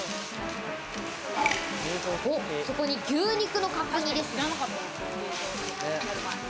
そこに牛肉の角煮ですか？